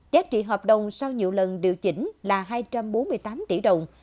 giá trị hợp đồng sau nhiều lần điều chỉnh là hai trăm bốn mươi tám tỷ đồng